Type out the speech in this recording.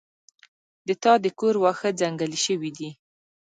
د تا د کور واښه ځنګلي شوي دي